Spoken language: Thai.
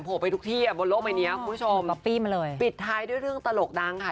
โผล่ไปทุกที่บนโลกใบเนี้ยคุณผู้ชมมาเลยปิดท้ายด้วยเรื่องตลกดังค่ะ